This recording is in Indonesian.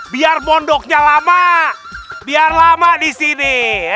biar mondoknya lama biar lama disini